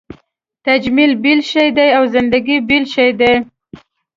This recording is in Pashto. تجمل بېل شی دی او زندګي بېل شی دی.